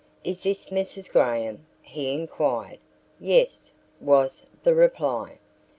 "Is this Mrs. Graham?" he inquired. "Yes," was the reply.